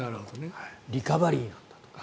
リカバリーなんだと。